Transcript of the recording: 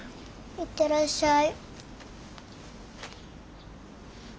行ってらっしゃい。